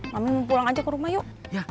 kami pulang aja ke rumah yuk